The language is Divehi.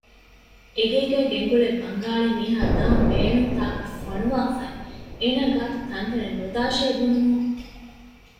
އެގޭގެގައި ގެންގުޅޭ ބަންގާޅި މީހާ ދާން ބޭނުން ތާކަށް ފޮނުވާފައި އޭނަ ގާތުގައި ތަންތަނަށް ނުދާށޭ ބުނުމުން